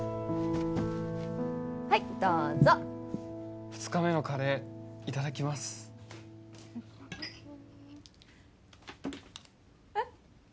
はいどうぞ二日目のカレーいただきますえっ